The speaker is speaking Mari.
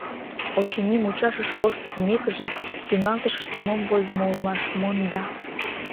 Очыни, мучашыш вошт лудмекыже, тӱҥалтышыште мом возымо улмаш, монда.